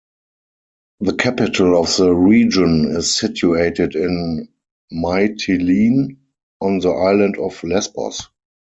The capital of the region is situated in Mytilene on the island of Lesbos.